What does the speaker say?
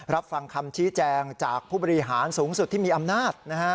รับฟังคำชี้แจงจากผู้บริหารสูงสุดที่มีอำนาจ